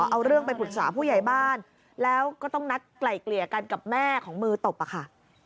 เอาเรื่องไปปรึกษาผู้ใหญ่บ้านแล้วก็ต้องนัดไกล่เกลี่ยกันกับแม่ของมือตบอะค่ะ